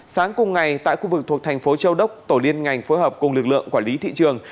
sáng cùng ngày tại khu vực thuộc thành phố châu đốc tổ liên ngành phối hợp cùng lực lượng quản lý thị trường